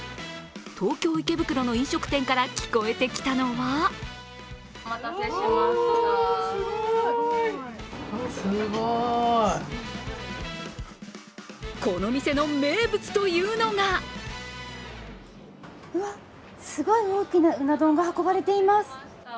東京・池袋の飲食店から聞こえてきたのはこの店の名物というのがうわ、すごい大きなうな丼が運ばれています。